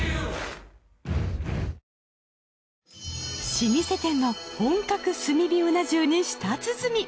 老舗店の本格炭火うな重に舌鼓。